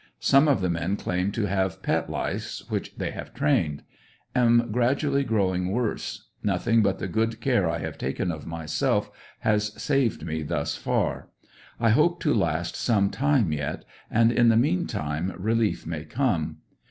Some of the men claim to have pet lice which they have trained. Am gradually growing worse. Nothing but the good care I have taken of myself has saved me thus far. I hope to last some time yet, and in the mean time relief may come.